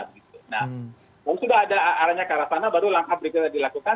kalau sudah ada arahnya ke arah sana baru langkah berikutnya dilakukan